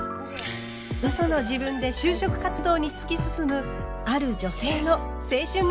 嘘の自分で就職活動に突き進むある女性の青春物語。